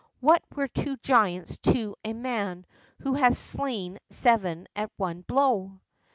What were two giants to a man who has slain seven at one blow?"